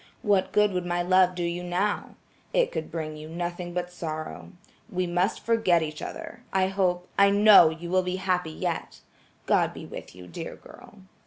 What good would my love do you now. It could bring you nothing but sorrow. We must forget each other. I hope–I know you will be happy yet. God be with you, dear girl."